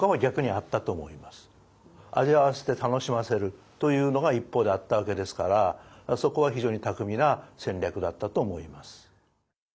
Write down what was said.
味わわせて楽しませるというのが一方であったわけですからそこは非常に巧みな戦略だったと思います。